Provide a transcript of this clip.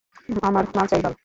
আমার মাল চাই, বাল!